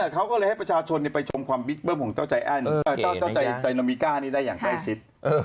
เขาก็เลยให้ประชาชนไปชมความบิ๊กเบิ้มของเจ้าใจโนมิก้านี้ได้อย่างใกล้ชิด